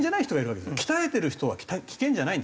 鍛えてる人は危険じゃないんですよ。